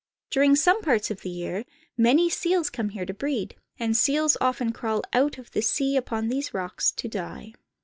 During some parts of the year, many seals come here to breed, and seals often crawl out of the sea upon these rocks to die.